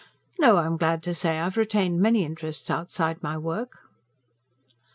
"No, I'm glad to say I have retained many interests outside my work."